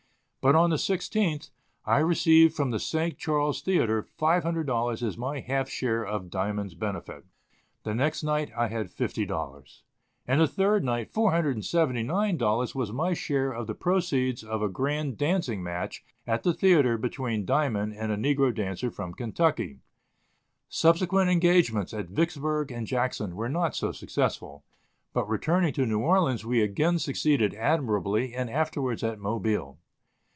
But on the 16th, I received from the St. Charles Theatre $500 as my half share of Diamond's benefit; the next night I had $50; and the third night $479 was my share of the proceeds of a grand dancing match at the theatre between Diamond and a negro dancer from Kentucky. Subsequent engagements at Vicksburg and Jackson were not so successful, but returning to New Orleans we again succeeded admirably and afterwards at Mobile.